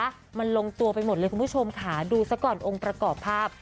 มันลงตัวไปหมดเลยคุณผู้ชมค่ะดูซะก่อนองค์ประกอบภาพ